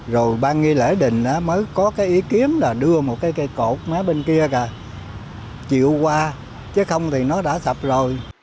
rồi ban nghi lễ đình mới có cái ý kiếm là đưa một cái cây cột mái bên kia kìa chịu qua chứ không thì nó đã sập rồi